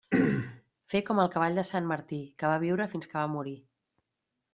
Fer com el cavall de sant Martí, que va viure fins que va morir.